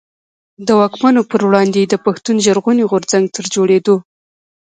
د واکمنو پر وړاندي يې د پښتون ژغورني غورځنګ تر جوړېدو.